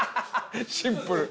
シンプル。